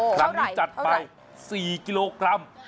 ครั้งนี้จัดไป๔กิโลกรัม